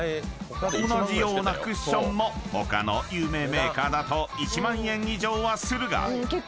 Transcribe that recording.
［同じようなクッションも他の有名メーカーだと１万円以上はするが］